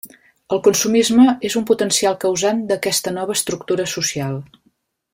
El consumisme és un potencial causant d'aquesta nova estructura social.